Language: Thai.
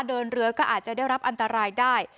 เดินเรือก็อาจจะได้รับอันตรายได้